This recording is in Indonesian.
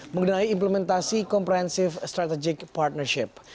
mengenai implementasi komprehensif strategic partnership